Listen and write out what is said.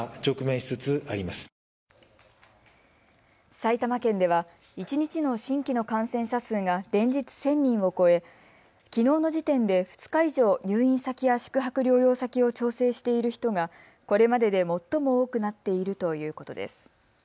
埼玉県では、一日の新規の感染者数が連日１０００人を超えきのうの時点で２日以上、入院先や宿泊療養先を調整している人がこれまでで最も多くなっているということです。